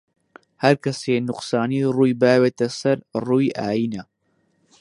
هەر کەسێ نوقسانی ڕووی باوێتە سەر ڕووی ئاینە